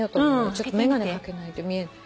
ちょっと眼鏡かけないと見えない。